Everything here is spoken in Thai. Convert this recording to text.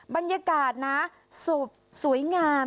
บรรยากาศนะศพสวยงาม